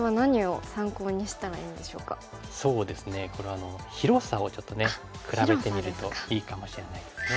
これは広さをちょっとね比べてみるといいかもしれないですね。